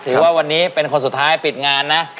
ถือว่าวันนี้เป็นคนสุดท้ายปิดงานนะ